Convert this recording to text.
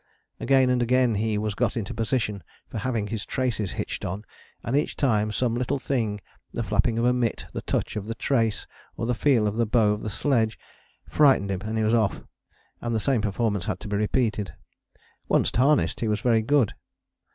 Again and again he was got into position for having his traces hitched on, and each time some little thing, the flapping of a mitt, the touch of the trace, or the feel of the bow of the sledge, frightened him and he was off, and the same performance had to be repeated. Once harnessed he was very good.